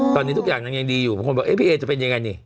ตอนนี้ทุกอย่างนางยังดีอยู่บางคนบอกพี่เอจะเป็นยังไงนี่